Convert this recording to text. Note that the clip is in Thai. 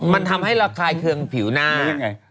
มันทำให้ระคายเครื่องผิวหน้า